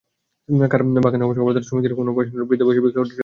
বাগানে অবসরপ্রাপ্ত শ্রমিকদের কোনো পেনশন নেই, বৃদ্ধ বয়সে ভিক্ষা করে চলতে হয়।